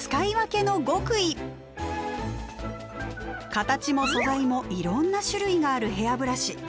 形も素材もいろんな種類があるヘアブラシ。